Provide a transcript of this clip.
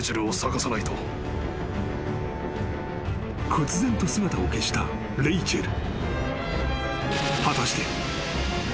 ［こつぜんと姿を消したレイチェル］